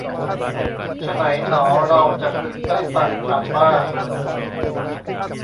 ไฉนหนอเราจะพึงได้ฟังธรรมบ้าง